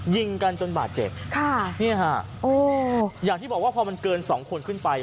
ยิงกันจนบาดเจ็บค่ะเนี่ยฮะโอ้อย่างที่บอกว่าพอมันเกินสองคนขึ้นไป